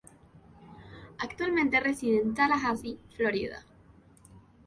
Actualmente reside en Tallahassee, Florida.